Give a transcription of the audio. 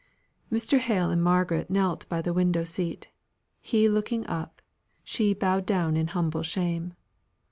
Mr. Hale and Margaret knelt by the window seat he looking up, she bowed down in humble shame.